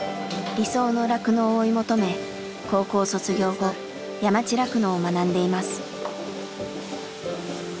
理想の酪農を追い求め高校卒業後山地酪農を学んでいます。